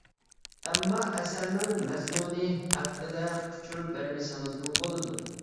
ئەمما ئەسەرنىڭ مەزمۇنى ھەققىدە ئۇچۇر بەرمىسىڭىزمۇ بولىدۇ.